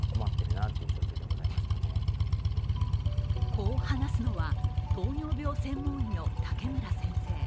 こう話するのは、糖尿病専門医の竹村先生。